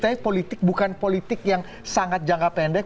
tapi politik bukan politik yang sangat jangka pendek